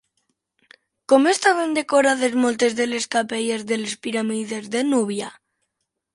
Com estaven decorades moltes de les capelles de les piràmides de Núbia?